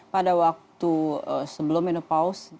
pada waktu sebelum menopaus